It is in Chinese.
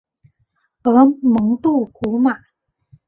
而蒙杜古马。